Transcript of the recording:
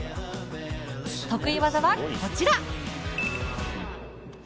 得意技は、こちら。